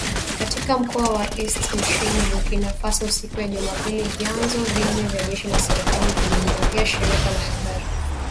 Katika mkoa wa Est nchini Burkina Faso siku ya Jumapili vyanzo vine vya jeshi la serikali vililiambia shirika la habari.